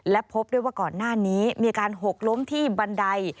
และพบด้วยว่าก่อนหน้านี้มีอาการหกล้มที่บันได